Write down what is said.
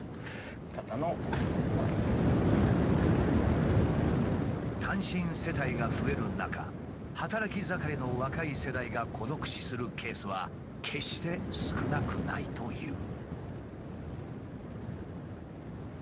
ここは単身世帯が増える中働き盛りの若い世代が孤独死するケースは決して少なくないという。